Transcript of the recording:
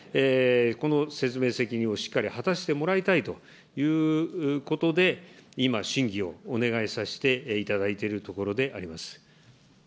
この説明責任をしっかり果たしてもらいたいということで、今、審議をお願いさせていただいているところであります。